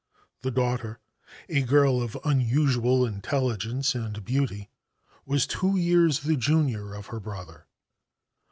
The daughter, a girl of unusual intelligence and beauty, was two years the junior of her brother.